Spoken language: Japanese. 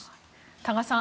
多賀さん